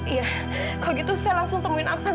iya kalau begitu saya langsung temuin aksan